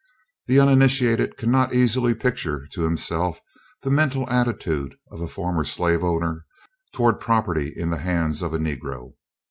The uninitiated cannot easily picture to himself the mental attitude of a former slaveholder toward property in the hands of a Negro.